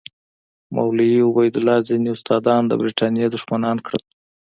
مولوي عبیدالله ځینې استادان د برټانیې دښمنان کړل.